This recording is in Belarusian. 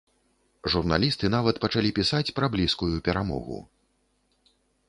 Журналісты нават пачалі пісаць пра блізкую перамогу.